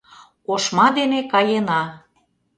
Ошма дене каена.